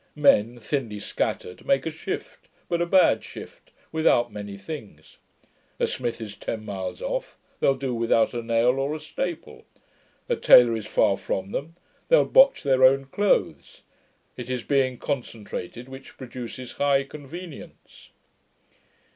Men, thinly scattered, make a shift, but a bad shift, without many things. A smith is ten miles off: they'll do without a nail or a staple. A taylor is far from them: they'll botch their own clothes. It is being concentrated which produces high convenience.'